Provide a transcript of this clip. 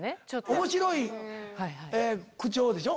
面白い口調でしょ？